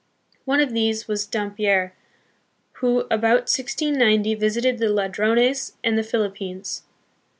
One of these was Dampier, who, about 1690, visited the Ladrones and the Philippines.